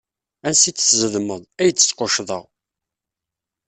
Ansi d tzedmeḍ, ay d-squccḍeɣ.